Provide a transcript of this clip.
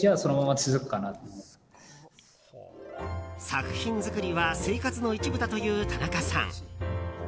作品作りは生活の一部だという田中さん。